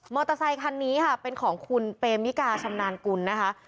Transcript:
เตอร์ไซคันนี้ค่ะเป็นของคุณเปมิกาชำนาญกุลนะคะ